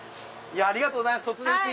ありがとうございます